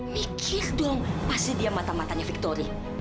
mikir dong pasti dia mata matanya victori